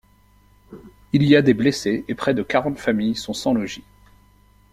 Il y a des blessés et près de quarante familles sont sans logis.